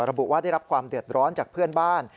ระบุว่าได้รับความเดือดร้อนจากเพื่อนบ้าน